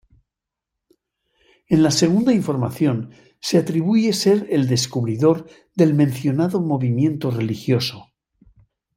En la segunda información se atribuye ser el descubridor del mencionado movimiento religioso.